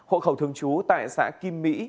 hộ khẩu thường trú tại xã kim mỹ